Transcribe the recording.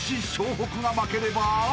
北が負ければ］